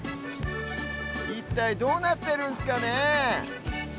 いったいどうなってるんすかね。